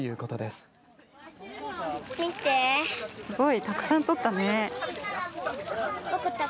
すごい、たくさん採ったね。